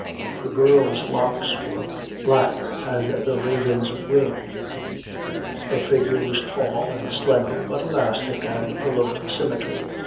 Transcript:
The girl's locks were black as the raven's wing: her figure was tall and slender, but elastic and full of symmetry.